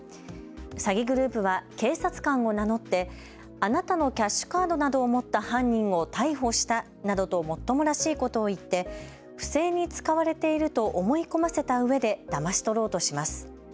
詐欺グループは警察官を名乗ってあなたのキャッシュカードなどを持った犯人を逮捕したなどともっともらしいことを言って不正に使われていると思い込ませたうえでだまし取ろうとします。